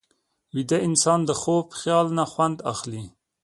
ویده انسان د خوب خیال نه خوند اخلي